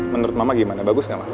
menurut mama gimana bagus nggak ma